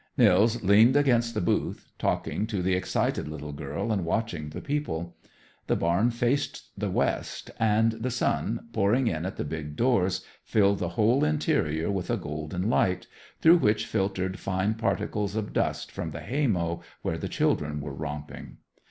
Nils leaned against the booth, talking to the excited little girl and watching the people. The barn faced the west, and the sun, pouring in at the big doors, filled the whole interior with a golden light, through which filtered fine particles of dust from the haymow, where the children were romping.